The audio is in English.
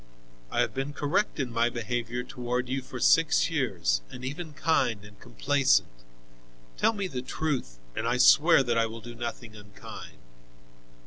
I have been correct in my behavior toward you for six years, and even kind and complaisant. Tell me the truth, and I swear that I will do nothing unkind."